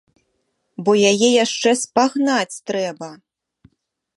Бо яе яшчэ спагнаць трэба!